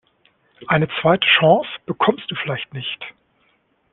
Eine zweite Chance bekommst du vielleicht nicht.